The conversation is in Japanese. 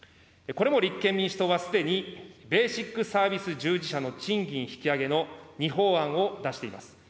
これも立憲民主党はすでに、ベーシックサービス従事者の賃金引き上げの２法案を出しています。